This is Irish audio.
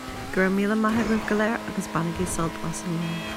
Go raibh míle maith agaibh go léir, agus bainigí sult as an lá